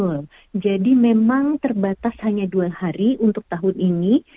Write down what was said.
betul jadi memang terbatas hanya dua hari untuk tahun ini